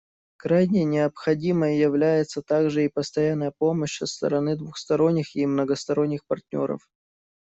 Крайне необходимой является также и постоянная помощь со стороны двусторонних и многосторонних партнеров.